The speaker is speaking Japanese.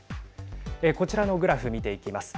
こちらのグラフ、見ていきます。